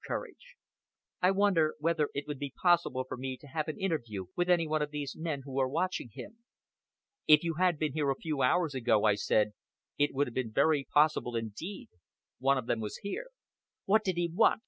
Courage, I wonder whether it would be possible for me to have an interview with any one of these men who are watching him." "If you had been here a few hours ago," I said, "it would have been very possible indeed. One of them was here." "What did he want?"